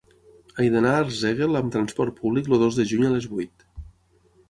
He d'anar a Arsèguel amb trasport públic el dos de juny a les vuit.